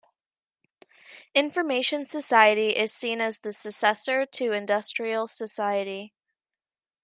Information society is seen as the successor to industrial society.